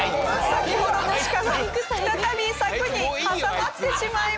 先ほどの鹿が再び柵に挟まってしまいました。